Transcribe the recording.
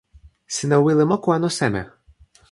sina wile moku anu seme?